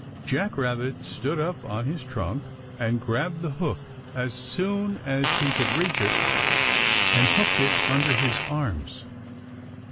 Jack Rabbit stood up on his trunk and grabbed the hook as soon as he could reach it and hooked it under his arms.